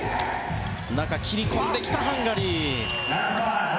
中に切り込んできたハンガリー。